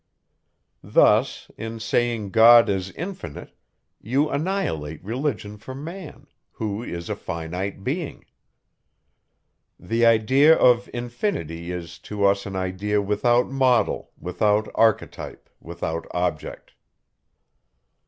Thus, in saying God is infinite, you annihilate religion for man, who is a finite being. The idea of infinity is to us an idea without model, without archetype, without object.